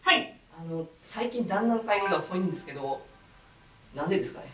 あの最近旦那の帰りが遅いんですけどなんでですかね。